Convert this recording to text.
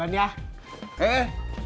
bantuin papa bawa ke dalam